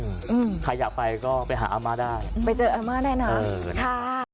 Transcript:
อืมใครอยากไปก็ไปหาอาม่าได้ไปเจออาม่าได้นะเออค่ะ